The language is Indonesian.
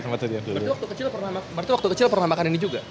waktu kecil pernah makan ini juga